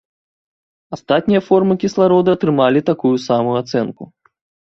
Астатнія формы кіслароду атрымалі такую самую ацэнку.